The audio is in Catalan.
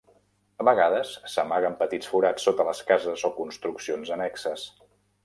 A vegades s'amaguen petits forats sota les cases o construccions annexes.